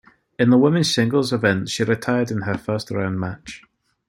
In the women's singles event she retired in her first round match.